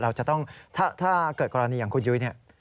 เราจะต้องถ้าเกิดกรณีอย่างคุณยุ้ยเนี่ย